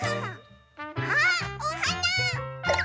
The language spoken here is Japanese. あっおはな！